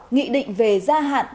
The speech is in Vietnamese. nghị định về gia hạn